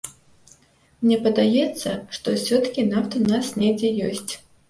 Мне падаецца, што ўсё-ткі нафта ў нас недзе ёсць.